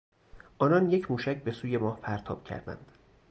آنان یک موشک به سوی ماه پرتاب کردند.